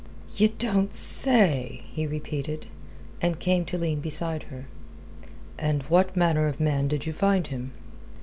"Ye don't say!" he repeated, and came to lean beside her. "And what manner of man did you find him?"